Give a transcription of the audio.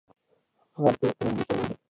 غر په درناوی کې ولاړ دی.